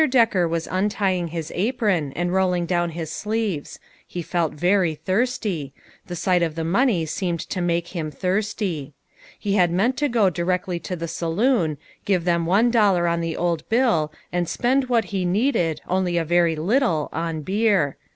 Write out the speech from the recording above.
Decker was untying his apron, and rolling down his sleeves ; he felt very thirsty the sight of the money seemed to make him thirsty. He had meant to go directly to the saloon, give them one dollar on the old bill, and spend what he needed, only a very little, on beer.